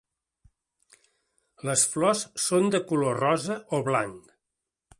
Les flors són de color rosa o blanc.